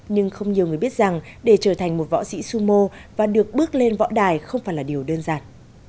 nhưng không nhiều người biết rằng để trở thành một võ sĩ summo và được bước lên võ đài không phải là điều đơn giản